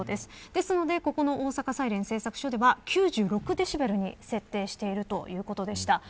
ですので、ここの大阪サイレン製作所では９６デシベルに設定しているということでした。